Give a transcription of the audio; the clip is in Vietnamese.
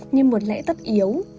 như một lẽ tất yếu